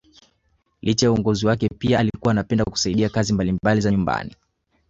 Licha ya uongozi wake pia alikuwa anapenda kusaidia kazi mbalimbali za nyumbani